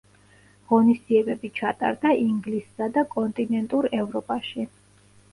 ღონისძიებები ჩატარდა ინგლისსა და კონტინენტურ ევროპაში.